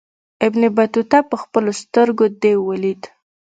ابن بطوطه پخپلو سترګو دېو ولید.